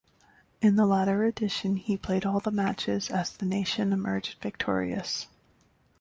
In the latter edition, he played all the matches as the nation emerged victorious.